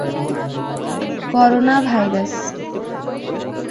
coronavirus